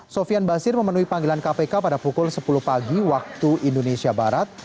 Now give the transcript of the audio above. sofian basir memenuhi panggilan kpk pada pukul sepuluh pagi waktu indonesia barat